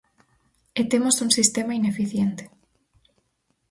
E temos un sistema ineficiente.